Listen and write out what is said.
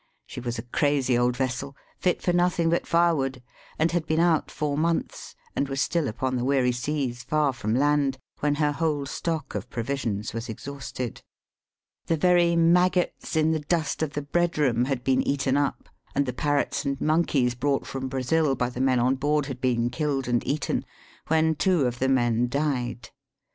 She was a crazy old vessel, fit for nothing but firewood, and had been out four months, and was still upon the weary seas far from land, when her whole stock of provisions was exhausted. The very maggots in the dust of the bread room had been eaten up, and the parrots and monkeys brought from Brazil by the men on board had been killed and eaten, when two of the men died.